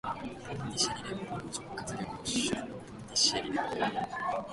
ポンディシェリ連邦直轄領の首府はポンディシェリである